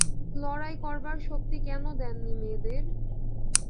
লড়াই করবার শক্তি কেন দেন নি মেয়েদের?